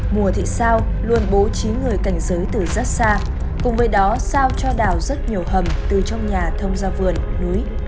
mùa thị sao luôn bố trí người cảnh giới từ rất xa cùng với đó sao cho đào rất nhiều hầm từ trong nhà thông ra vườn núi